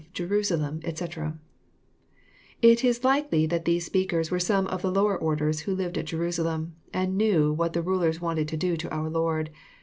Jerusalem, etc."] It Is likely that these speakers were some of the lower orders who lived at Jerusalem, and knew what the rulers wanted to do to our Lord.